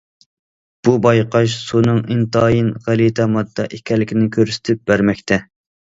بۇ بايقاش سۇنىڭ ئىنتايىن غەلىتە ماددا ئىكەنلىكىنى كۆرسىتىپ بەرمەكتە.